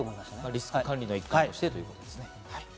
リスク管理をしてということですね。